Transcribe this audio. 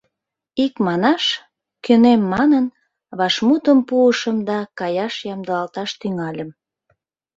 Икманаш, кӧнем манын, вашмутым пуышым да каяш ямдылалташ тӱҥальым.